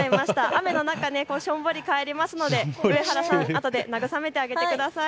雨の中、しょんぼり帰りますので上原さん、あとで慰めてあげてください。